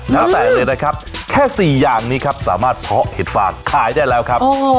แล้วแต่เลยนะครับแค่๔อย่างนี้ครับสามารถเพาะเห็ดฟางขายได้แล้วครับ